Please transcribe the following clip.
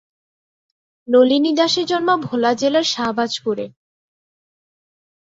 নলিনী দাসের জন্ম ভোলা জেলার সাহবাজপুরে।